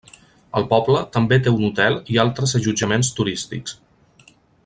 El poble també té un hotel i altres allotjaments turístics.